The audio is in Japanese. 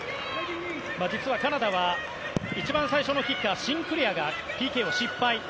実はカナダは一番最初のキッカーシンクレアがＰＫを失敗。